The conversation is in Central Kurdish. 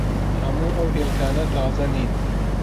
هەموو ئەو هێلکانە تازە نین.